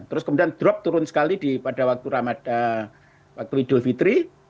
terus kemudian drop turun sekali pada waktu ramadan waktu idul fitri